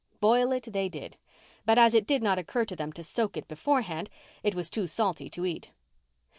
Boil it they did; but as it did not occur to them to soak it beforehand it was too salty to eat.